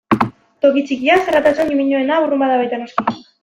Toki txikian, zaratatxo ñimiñoena burrunba baita, noski.